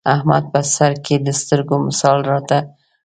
احمد په سرکې د سترګو مثال را ته لري.